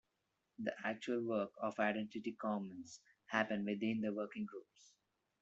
The actual work of Identity Commons happens within the Working Groups.